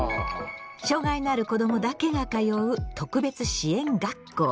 障害のある子どもだけが通う「特別支援学校」。